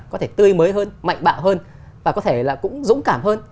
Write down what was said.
có thể tươi mới hơn mạnh bạo hơn và có thể là cũng dũng cảm hơn